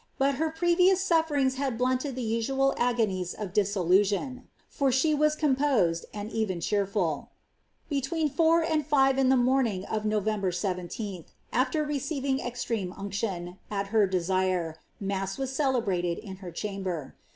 991 nnber, out her previous sufierings had blunted the usual agonies of esolntioB, for she was composed, and even cheerful ; between four and re in the morning of November 17th, after receiving extreme unction, her desire, mass was celebrated in her chamber.